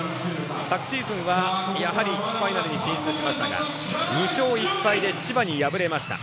昨シーズンは、やはりファイナルに進出しましたが２勝１敗で千葉に敗れました。